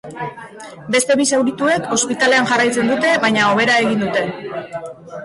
Beste bi zaurituek ospitalean jarraitzen dute, baina hobera egin dute.